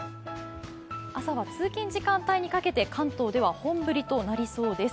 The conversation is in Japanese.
朝は通勤時間帯にかけて関東では本降りとなりそうです。